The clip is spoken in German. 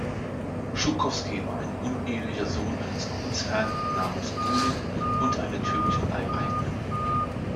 Schukowski war ein unehelicher Sohn eines Gutsherrn namens Bunin und einer türkischen Leibeigenen.